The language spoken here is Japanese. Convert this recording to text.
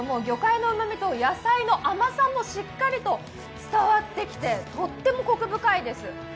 ｄ、魚介のうまみと野菜の甘さもしっかりと伝わってきてとってもコク深いです。